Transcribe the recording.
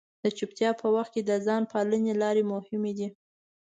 د چپتیا په وخت کې د ځان د پالنې لارې مهمې دي.